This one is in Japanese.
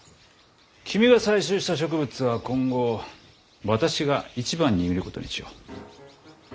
君が採集した植物は今後私が一番に見ることにしよう。